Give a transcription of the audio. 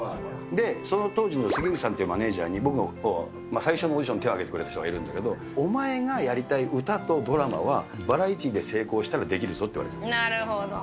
で、その当時の関口さんっていうマネージャーに、僕の最初のオーディション手を挙げてくれた人いるんだけど、お前がやりたい歌とドラマはバラエティで成功したらできるぞってなるほど。